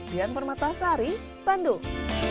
dian permata sari bandung